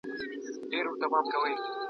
د دغو کتابونو ارزښت ډېر لوړ و.